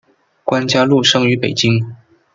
关嘉禄生于北京。